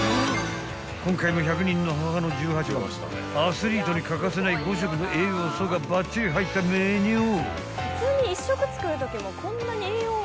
［今回も１００人の母の十八番アスリートに欠かせない５色の栄養素がばっちり入ったメニュー］